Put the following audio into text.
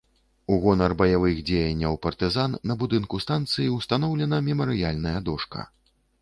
У гонар баявых дзеянняў партызан на будынку станцыі ўстаноўлена мемарыяльная дошка.